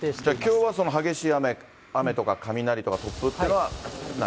きょうは激しい雨とか、雷とか突風っていうのはない？